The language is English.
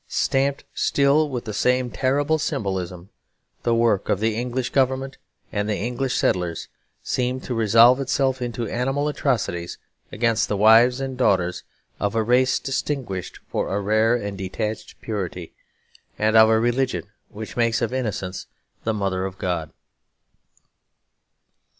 Stamped still with the same terrible symbolism, the work of the English Government and the English settlers seemed to resolve itself into animal atrocities against the wives and daughters of a race distinguished for a rare and detached purity, and of a religion which makes of innocence the Mother of God.